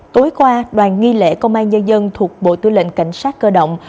tối qua đoàn nghi lễ công an nhân dân thuộc bộ tư lệnh cảnh sát cơ động